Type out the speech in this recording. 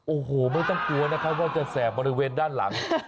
โอ้โหไม่ต้องกลัวนะครับว่าจะแสบบริเวณด้านหลัง